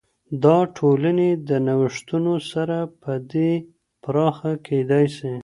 دا ټولني د نوښتونو سره په دی پراخه کيدا سي.